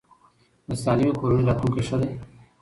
د سالمې کورنۍ راتلونکی ښه دی.